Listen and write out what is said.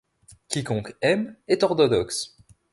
Quiconque aime est orthodoxe.